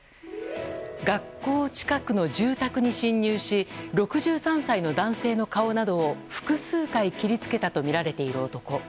学校近くの住宅に侵入し６３歳の男性の顔などを複数回切りつけたとみられている男。